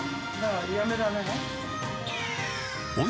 やめられない。